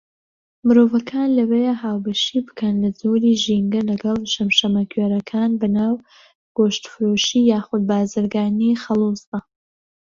مرۆڤەکان لەوەیە هاوبەشی بکەن لە جۆری ژینگە لەگەڵ شەمشەمەکوێرەکان بەناو گۆشتفرۆشی یاخود بارزگانی خەڵوزدا.